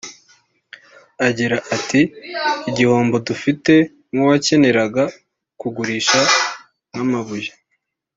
Agira ati “Igihombo dufite nk’uwakeneraga kugurisha nk’amabuye